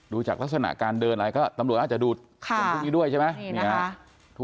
จากลักษณะการเดินอะไรก็ตำรวจอาจจะดูตรงพวกนี้ด้วยใช่ไหม